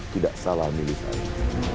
tidak salah milik saya